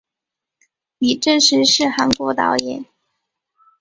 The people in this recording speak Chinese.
李振石是韩国导演。